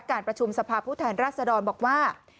การประชุมสภาพุทธแห่งราษดรบอกว่า